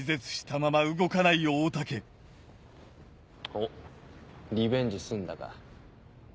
おっリベンジ済んだか。